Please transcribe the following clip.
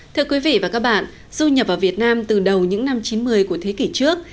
thưa quý vị và các bạn du nhập vào việt nam từ đầu những năm chín mươi của thế kỷ trước